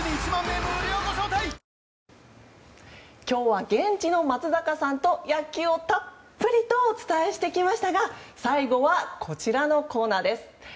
今日は現地の松坂さんと野球をたっぷりとお伝えしてきましたが最後はこちらのコーナーです。